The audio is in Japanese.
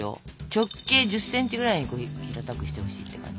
直径１０ｃｍぐらいに平たくしてほしいって感じ。